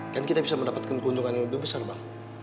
kan kita bisa mendapatkan keuntungan yang lebih besar bang